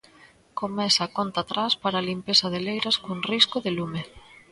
Comeza a conta atrás para a limpeza de leiras con risco de lume.